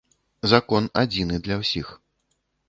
Закон адзіны для ўсіх.